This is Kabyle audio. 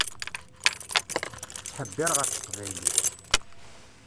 Tettḥebbiṛ ɣef teqbaylit.